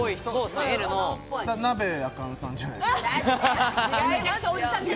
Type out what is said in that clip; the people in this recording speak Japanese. なべやかんさんじゃないですか。